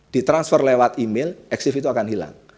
ditransfer lewat email exit itu akan hilang